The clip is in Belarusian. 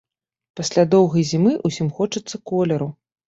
Пасля доўгай зімы ўсім хочацца колеру.